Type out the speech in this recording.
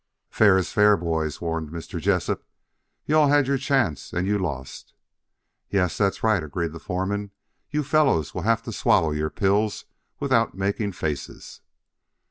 "Fair is fair, boys," warned Mr. Jessup. "You all had your chance and you lost." "Yes, that's right," agreed the foreman. "You fellows will have to swallow your pills without making faces."